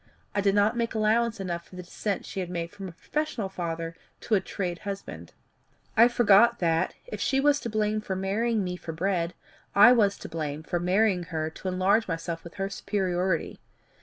I did not make allowance enough for the descent she had made from a professional father to a trade husband. I forgot that, if she was to blame for marrying me for bread, I was to blame for marrying her to enlarge myself with her superiority.